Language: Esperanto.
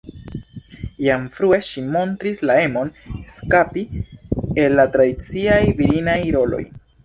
Jam frue ŝi montris la emon eskapi el la tradiciaj virinaj roloj.